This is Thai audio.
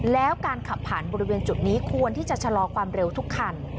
แล้วการขับผ่านบริเวณจุดนี้ควรที่จะชะลอความเร็วทุกคัน